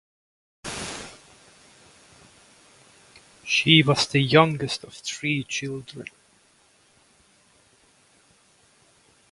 She was the youngest of three children.